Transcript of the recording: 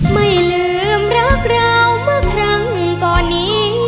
ไม่ลืมรักเราเมื่อครั้งก่อนนี้